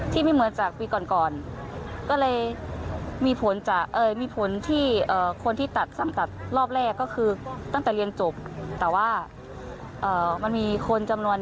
ที่ไม่เหมือนจากปีก่อน